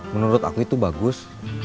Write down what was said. menurut aku itu bagus